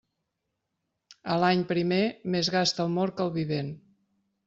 A l'any primer més gasta el mort que el vivent.